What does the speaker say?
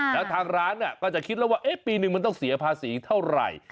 แล้วทางร้านก็จะคิดแล้วว่าปีนึงมันต้องเสียภาษีเท่าไหร่